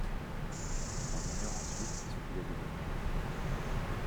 On ignore ensuite ce qu'il est devenu.